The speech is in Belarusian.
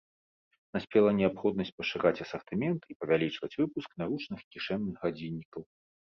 Наспела неабходнасць пашыраць асартымент і павялічваць выпуск наручных і кішэнных гадзіннікаў.